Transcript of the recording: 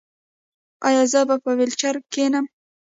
ایا زه به په ویلچیر کینم؟